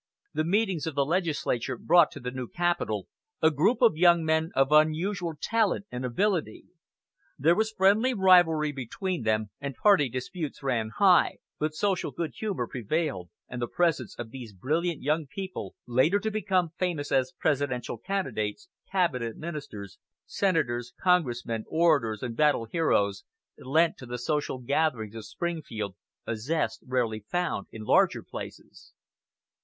The meetings of the legislature brought to the new capital a group of young men of unusual talent and ability. There was friendly rivalry between them, and party disputes ran high, but social good humor prevailed, and the presence of these brilliant young people, later to become famous as Presidential candidates, cabinet ministers, senators, congressmen, orators, and battle heroes, lent to the social gatherings of Springfield a zest rarely found in larger places.